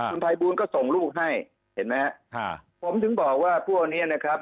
คุณภัยบูลก็ส่งลูกให้เห็นไหมฮะผมถึงบอกว่าพวกเนี้ยนะครับ